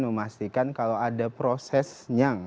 memastikan kalau ada prosesnya